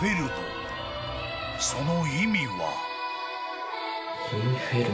［その意味は？］